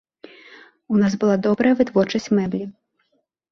У нас было добрая вытворчасць мэблі.